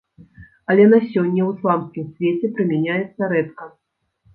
Але на сёння ў ісламскім свеце прымяняецца рэдка.